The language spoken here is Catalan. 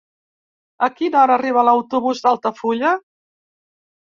A quina hora arriba l'autobús d'Altafulla?